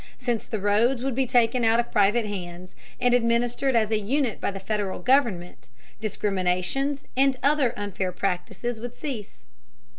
Since the roads would be taken out of private hands and administered as a unit by the Federal government, discriminations and other unfair practices would cease.